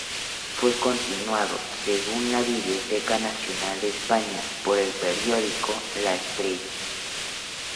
Fue continuado, según la Biblioteca Nacional de España, por el periódico "La Estrella".